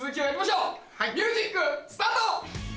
ミュージックスタート！